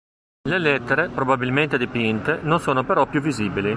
Le lettere, probabilmente dipinte, non sono però più visibili.